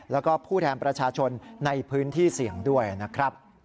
แล้วก็ผู้แทนประชาชนในพื้นที่เสี่ยงด้วยนะครับ